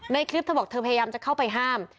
ในคลิปเธอบอกเธอพยายามจะเข้าไปห้าม